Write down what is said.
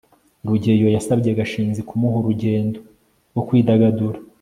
rugeyo yasabye gashinzi kumuha urugendo rwo kwidagadura